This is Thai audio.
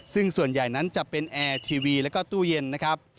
ซึ่งส่วนใหญ่นั้นจะเป็นแอร์ทีวีแล้วก็ตู้เย็นนะครับ